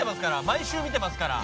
毎週見てますから。